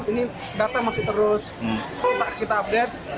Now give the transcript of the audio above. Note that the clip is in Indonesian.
ini data masih terus kita update